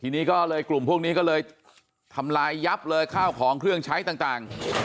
ทีนี้ก็เลยกลุ่มพวกนี้ก็เลยทำลายยับเลยข้าวของเครื่องใช้ต่าง